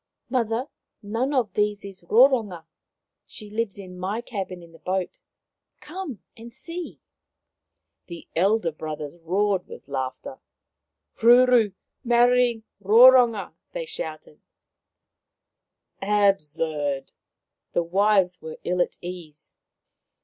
" Mother, none of these is Roronga. She lies in my cabin in the boat. Come and see !" The elder brothers roared with laughter. " Ruru marrying Roronga !" they shouted. 182 Maoriland Fairy Tales " Absurd !" The wives were ill at ease.